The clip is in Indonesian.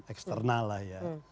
eksternal lah ya